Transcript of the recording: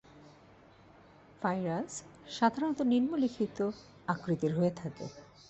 Virus সাধারণত নিম্ন লিখিত আকৃতির হয়ে থাকে।